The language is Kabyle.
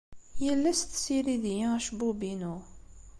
Yal ass tessirid-iyi acebbub-inu.